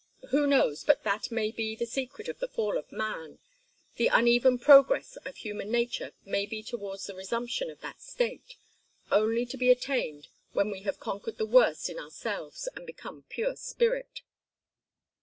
Who knows but that may be the secret of the fall of man; the uneven progress of human nature may be towards the resumption of that state, only to be attained when we have conquered the worst in ourselves and become pure spirit."